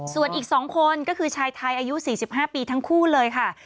ส่วนอีก๒คนก็คือชายไทยอายุ๔๕ปีทั้งคู่เลยค่ะ